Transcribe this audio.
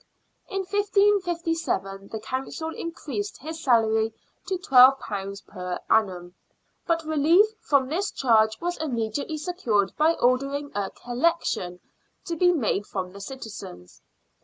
In 1557 the Council increased his salary to £12 per annum, but relief from this charge was immediately secured by ordering a " collection " to be made from the citizens.